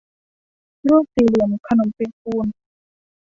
รูปสี่เหลี่ยมขนมเปียกปูน